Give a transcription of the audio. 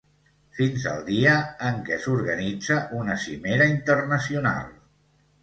Fins al dia en què s'organitza una cimera internacional.